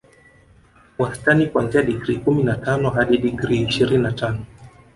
Wastani kuanzia digrii kumi na tano hadi digrii ishirini na tano